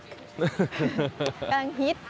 กำลังฮิต